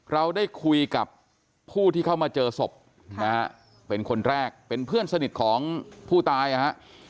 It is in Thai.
เราได้คุยกับผู้ที่เข้ามาเจอศพนะฮะเป็นคนแรกเป็นเพื่อนสนิทของผู้ตายนะฮะ